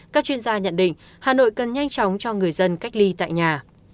các chuyên gia nhận định hà nội cần nhanh chóng cho người dân cách ly tại nhà